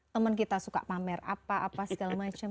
temen kita suka pamer apa apa segala macam